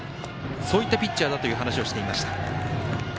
そういったピッチャーだという話をしていました。